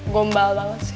gombal banget sih